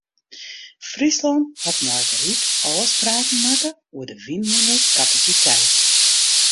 Fryslân hat mei it ryk ôfspraken makke oer de wynmûnekapasiteit.